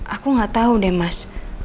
aku nggak tahu deh mas